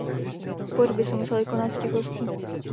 Pohřby se musely konat v tichosti.